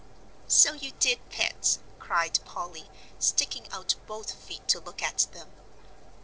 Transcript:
"So you did, Pet," cried Polly, sticking out both feet to look at them.